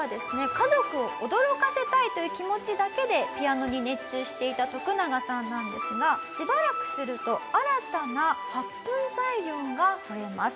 家族を驚かせたいという気持ちだけでピアノに熱中していたトクナガさんなんですがしばらくすると新たな発奮材料が増えます。